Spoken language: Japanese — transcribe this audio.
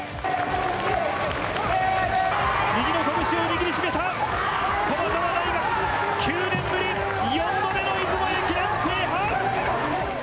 右の拳を握りしめた駒澤大学、９年ぶり４度目の出雲駅伝制覇！